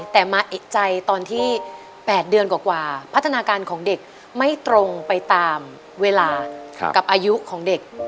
แต่มาเอกใจตอนที่๘เดือนกว่าพัฒนาการของเด็กไม่ตรงไปตามเวลากับอายุของเด็ก